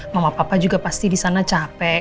mama papa juga pasti di sana capek